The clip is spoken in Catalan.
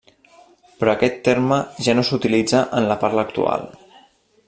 Però aquest terme ja no s'utilitza en la parla actual.